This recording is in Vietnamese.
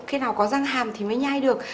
khi nào có răng hàm thì mới nhai được